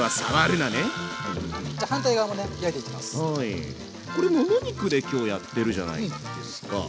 これもも肉で今日やってるじゃないですか。